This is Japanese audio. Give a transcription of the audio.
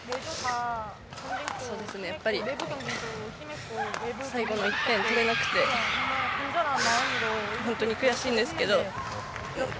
やっぱり最後の１点取れなくて本当に悔しいんですけど。